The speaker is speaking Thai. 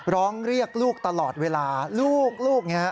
ร้องเรียกลูกตลอดเวลาลูกเนี่ย